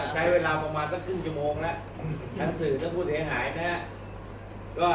สำหรับผู้เสียหายนะฮะ